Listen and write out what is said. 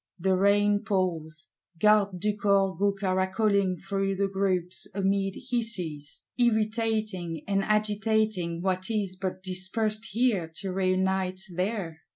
The rain pours: Gardes du Corps go caracoling through the groups "amid hisses;" irritating and agitating what is but dispersed here to reunite there.